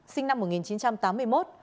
sinh năm một nghìn chín trăm tám mươi một